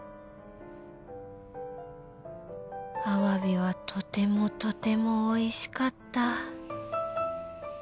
［アワビはとてもとてもおいしかった］